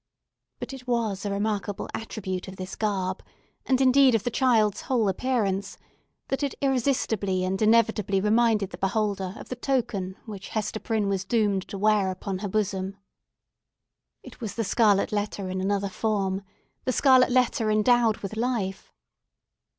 But it was a remarkable attribute of this garb, and indeed, of the child's whole appearance, that it irresistibly and inevitably reminded the beholder of the token which Hester Prynne was doomed to wear upon her bosom. It was the scarlet letter in another form: the scarlet letter endowed with life!